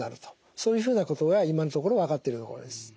そういうふうなことが今のところ分かっているところです。